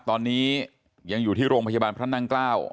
ตอนนี้ยังอยู่ที่โรงพยาบาลพระนั่งเกล้า